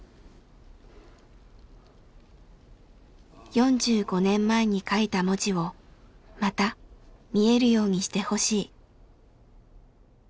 ４５年前に書いた文字をまた見えるようにしてほしい。